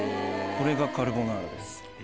これがカルボナーラです。